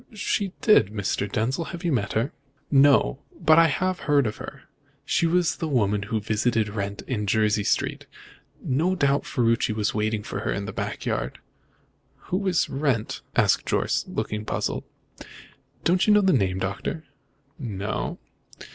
"She did, Mr. Denzil. Have you met her?" "No, but I have heard of her. She was the woman who visited Wrent in Jersey Street. No doubt Ferruci was waiting for her in the back yard." "Who is Wrent?" asked Jorce, looking puzzled. "Don't you know the name, Doctor?" "No."